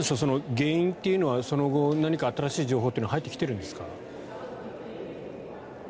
原因というのはその後、何か新しい情報は入ってきているんですか？